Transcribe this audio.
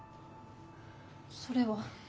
それは。